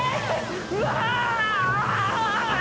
うわ！